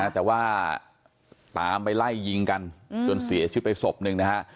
แต่ว่าตามไปไล่ยิงกันจนเสียชีวิตไปศพหนึ่งนะฮะ